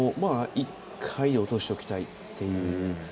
１回落としておきたいという。